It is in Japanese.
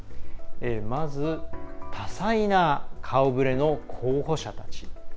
まず、多彩な顔ぶれの候補者たち。